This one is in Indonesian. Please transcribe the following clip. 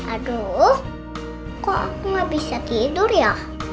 aduh kok aku gak bisa tidur ya